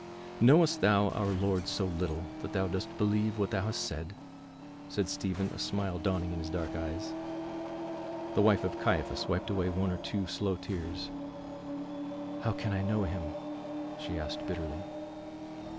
"Knowest thou our Lord so little that thou dost believe what thou hast said?" said Stephen, a smile dawning in his dark eyes. The wife of Caiaphas wiped away one or two slow tears. "How can I know him?" she asked bitterly.